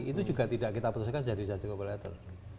itu juga tidak kita putuskan jadi just sico laborator